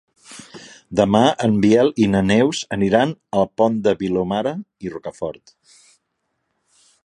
Demà en Biel i na Neus aniran al Pont de Vilomara i Rocafort.